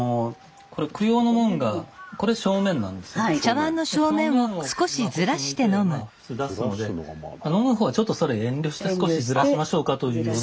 考え方として正面をこっち向いて普通出すので飲むほうはちょっとそれ遠慮して少しずらしましょうかというような。